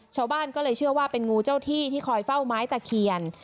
ชาวบ้านก็เลยเชื่อว่าเป็นงูเจ้าที่ที่คอยเฝ้าไม้ตะเคียน